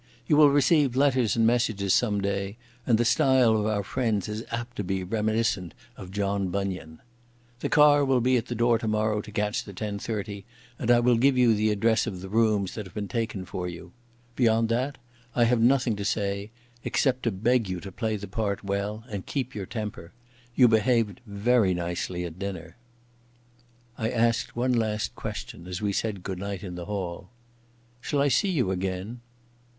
You will receive letters and messages some day and the style of our friends is apt to be reminiscent of John Bunyan.... The car will be at the door tomorrow to catch the ten thirty, and I will give you the address of the rooms that have been taken for you.... Beyond that I have nothing to say, except to beg you to play the part well and keep your temper. You behaved very nicely at dinner." I asked one last question as we said good night in the hall. "Shall I see you again?"